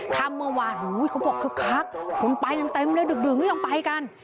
คำเมื่อวานโอ้ยเขาบอกคือคักคุณไปกันเต็มเลยดึกดึงไม่ยอมไปกัน